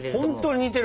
似てる？